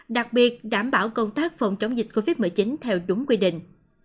đặc biệt đảm bảo công tác phòng chống dịch covid một mươi chín theo đúng quy định